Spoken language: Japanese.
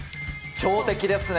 強敵ですね。